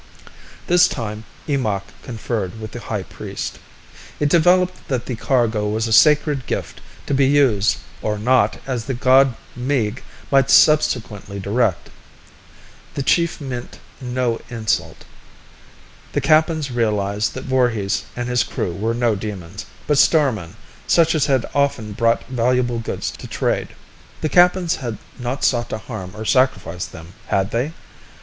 This time, Eemakh conferred with the high priest. It developed that the cargo was a sacred gift to be used or not as the god Meeg might subsequently direct. The chief meant no insult. The Kappans realized that Voorhis and his crew were no demons, but starmen such as had often brought valuable goods to trade. The Kappans had not sought to harm or sacrifice them, had they?